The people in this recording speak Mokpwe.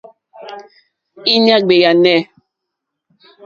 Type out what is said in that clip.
Íɲá ɡbèànè.